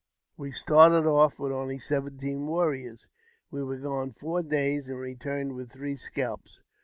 We started off with only seventeen warriors. We were gone four days, and returned with three scalps.